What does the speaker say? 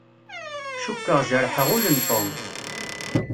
Cukkeɣ jerḥeɣ ul n Tom.